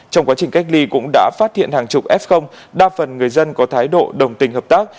trong quá trình cách ly cũng đã phát hiện hàng chục f đa phần người dân có thái độ đồng tình hợp tác